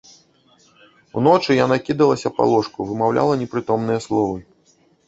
Уночы яна кідалася па ложку, вымаўляла непрытомныя словы.